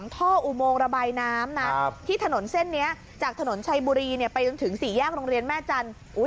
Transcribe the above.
ที่บุรีเนี่ยไปถึงสี่แยกโรงเรียนแม่จันทร์